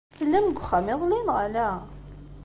Tellam deg uxxam iḍelli, neɣ ala?